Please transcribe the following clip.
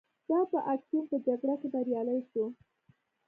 دا په اکتیوم په جګړه کې بریالی شو